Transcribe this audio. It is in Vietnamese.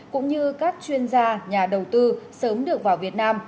cũng như các chuyên gia nhà đầu tư sớm được vào việt nam